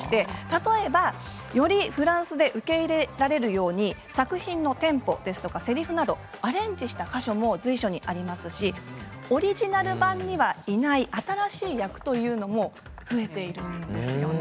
例えば、よりフランスで受け入れられるように作品のテンポやせりふなどアレンジした箇所も随所にありますしオリジナル版にはいない新しい役も増えているんです。